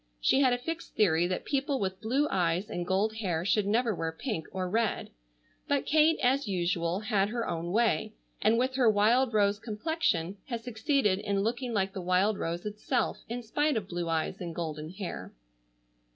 She had a fixed theory that people with blue eyes and gold hair should never wear pink or red, but Kate as usual had her own way, and with her wild rose complexion had succeeded in looking like the wild rose itself in spite of blue eyes and golden hair.